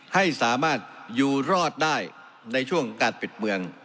ให้สามารถอยู่รอดได้ในช่วงการปิดเมือง